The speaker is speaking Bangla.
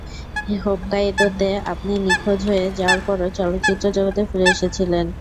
হোক্কাইদোতে আপনি নিখোঁজ হয়ে যাওয়ার পরও, চলচ্চিত্রজগতে ফিরে এসেছিলেন।